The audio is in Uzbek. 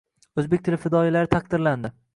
O‘zbek tili fidoyilari taqdirlanding